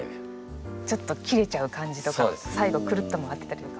ちょっと切れちゃう感じとか最後クルッと回ってたりとか。